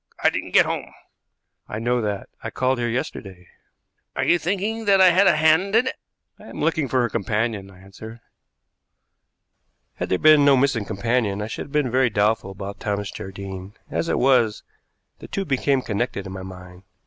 I didn't get home." "I know that. I called here yesterday." "Are you thinking that I had a hand in it?" "I am looking for her companion," I answered. Had there been no missing companion I should have been very doubtful about Thomas Jardine; as it was, the two became connected in my mind.